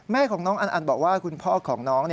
แม่ของน้องอันอันบอกว่าคุณพ่อของน้อง